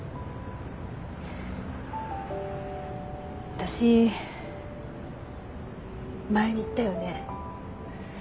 私前に言ったよね。